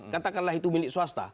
katakanlah itu milik swasta